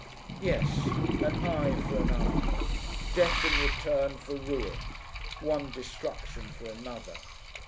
Yes; an eye for an eye! Death in return for ruin! One destruction for another!